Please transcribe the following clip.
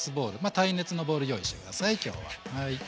耐熱のボウル用意して下さい今日は。